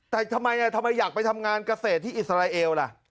แต่ทำไมทำไมอยากไปทำงานเกษตรที่อิสราเอลล่ะ